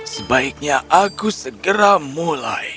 sebaiknya aku segera mulai